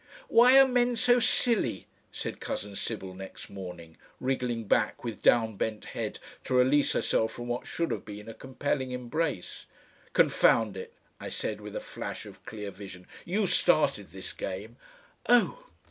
"Why are men so silly?" said cousin Sybil next morning, wriggling back with down bent head to release herself from what should have been a compelling embrace. "Confound it!" I said with a flash of clear vision. "You STARTED this game." "Oh!"